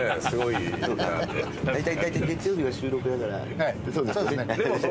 すごいな。